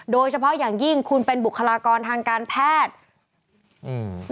โดยเฉพาะอย่างยิ่งคุณเป็นบุคลากรทางการแพทย์อืม